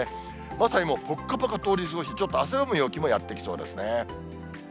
まさにもうぽっかぽか通り過ぎて、ちょっと汗ばむ陽気もやって来そうですね。